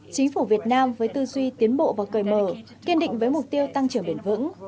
chính phủ việt nam với tư duy tiến bộ và cởi mở kiên định với mục tiêu tăng trưởng bền vững